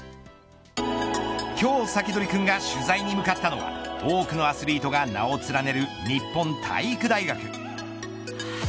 今日サキドリくんが取材に向かったのは多くのアスリートが名を連ねる日本体育大学。